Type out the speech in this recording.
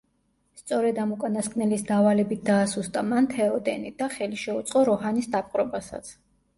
სწორედ ამ უკანასკნელის დავალებით დაასუსტა მან თეოდენი და ხელი შეუწყო როჰანის დაპყრობასაც.